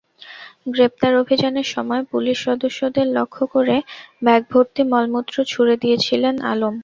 গ্রেপ্তার অভিযানের সময় পুলিশ সদস্যদের লক্ষ্য করে ব্যাগভর্তি মলমূত্র ছুড়ে দিয়েছিলেন আলম।